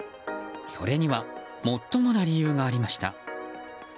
それにはもっともな理由がありました。